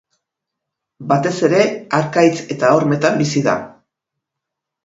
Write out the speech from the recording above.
Batez ere harkaitz eta hormetan bizi da.